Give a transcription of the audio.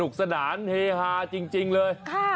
สนานเฮฮาจริงเลย